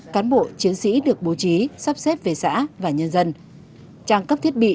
cán bộ chiến sĩ được bố trí sắp xếp về xã và nhân dân trang cấp thiết bị